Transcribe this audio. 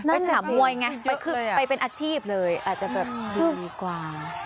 ไปสนามมวยไงไปคือไปเป็นอาชีพเลยอาจจะแบบดีกว่า